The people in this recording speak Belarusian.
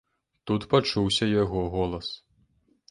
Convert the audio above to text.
Тут пачуўся яго голас.